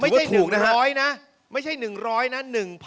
ถูกนะฮะไม่ใช่๑๐๐นะ๑๐๐๐